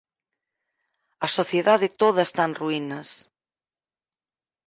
A sociedade toda está en ruínas.